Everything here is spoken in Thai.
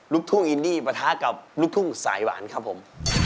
ลูกทุ่งอินดี้ประทะกับลูกทุ่งสายหวานครับผม